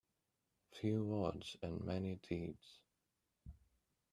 Few words and many deeds.